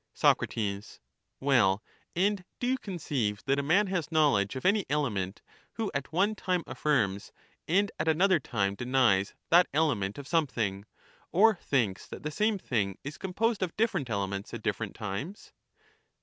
But there Soc. Well, and do you conceive that a man has knowledge menuion^of ^^ ^^y element who at one time affirms and at another time parts with denies that element of something, or thinks that the same tedVe'*^^' ^hing is composed of different elements at different times